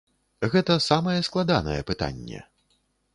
Гэта самае складанае пытанне.